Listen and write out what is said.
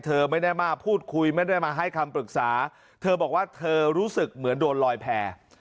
เธอไม่ได้มาพูดคุยไม่ได้มาให้คำปรึกษาเธอบอกว่าเธอรู้สึกเหมือนโดนลอยแพร่